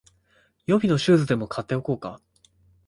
予備のシューズでも買っておこうか